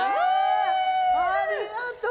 ありがとう！